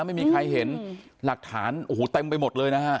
ไม่มีใครเห็นหลักฐานโอ้โหเต็มไปหมดเลยนะฮะ